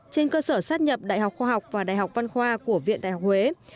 trên cơ sở sát nhập đại học khoa học và đại học văn khoa của viện đại học huế